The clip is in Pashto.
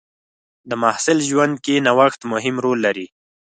د محصل ژوند کې نوښت مهم رول لري.